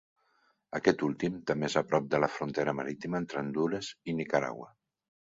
Aquest últim també és a prop de la frontera marítima entre Hondures i Nicaragua.